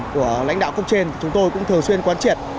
của lãnh đạo không trên chúng tôi cũng thường xuyên quán triển